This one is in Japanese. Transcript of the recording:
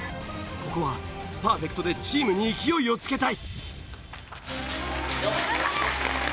ここはパーフェクトでチームに勢いをつけたい。